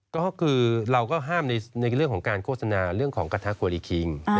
ก็คือเราก็ห้ามในเรื่องของการโฆษณาเรื่องของกระทะควรีคิง